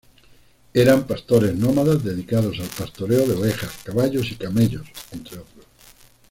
Eran pastores nómadas dedicados al pastoreo de ovejas, caballos y camellos entre otros.